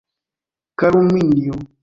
Kalumnio.